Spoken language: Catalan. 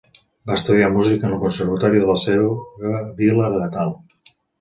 Va estudiar música en el conservatori de la seva vila natal.